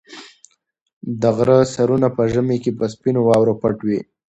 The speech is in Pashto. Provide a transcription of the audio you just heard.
د غره سرونه په ژمي کې په سپینو واورو پټ وي.